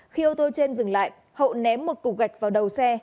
khi ô tô trên dừng lại hậu ném một cục gạch vào đầu xe